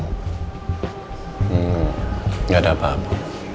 hmm nggak ada apa apa